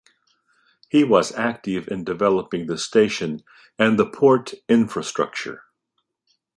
He was active in developing the station and the port infrastructure.